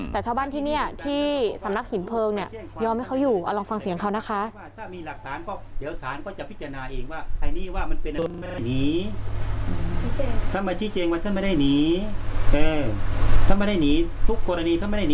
แต่ชาวบ้านที่นี่ที่สำนักหินเพลิงเนี่ยยอมให้เขาอยู่เอาลองฟังเสียงเขานะคะ